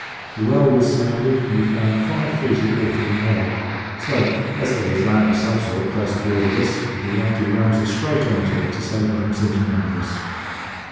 The well was sounded, and we found five feet of water in the hold; so, as there was land of some sort close aboard of us, the Yankee rams her straight on to it to save her from sinking under us.